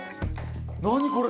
何これ！